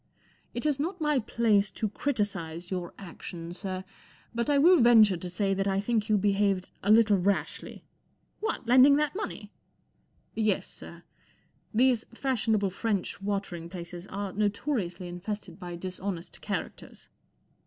'It is not my place to criticize your actions, sir, but I will venture to say that I think yon behaved a little rashly*" M What, lending that money ? J * gi Yes, sir. These fashionable French water* ing places are notoriously infested by dis¬ honest characters."